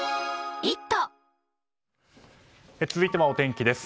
続いてはお天気です。